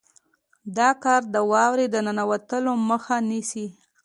دا کار د واورې د ننوتلو مخه نیسي